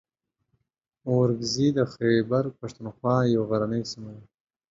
اورکزۍ د خیبر پښتونخوا یوه غرنۍ سیمه ده.